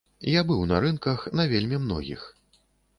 Я быў на рынках, на вельмі многіх.